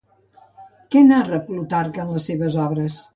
Què narra Plutarc en les seves obres?